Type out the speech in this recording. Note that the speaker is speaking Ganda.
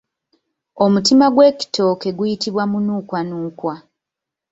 Omutima gw'ekitooke guyitibwa munukwanukwa.